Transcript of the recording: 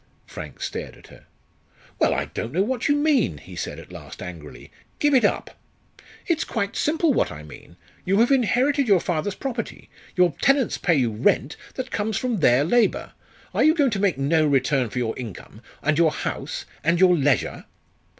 Frank stared at her. "Well, I don't know what you mean," he said at last, angrily; "give it up." "It's quite simple what I mean. You have inherited your father's property. Your tenants pay you rent, that comes from their labour. Are you going to make no return for your income, and your house, and your leisure?"